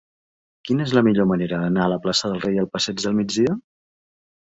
Quina és la millor manera d'anar de la plaça del Rei al passeig del Migdia?